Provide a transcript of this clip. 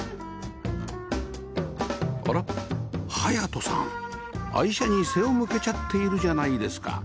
あら隼人さん愛車に背を向けちゃっているじゃないですか